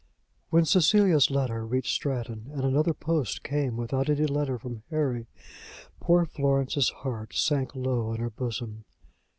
When Cecilia's letter reached Stratton, and another post came without any letter from Harry, poor Florence's heart sank low in her bosom.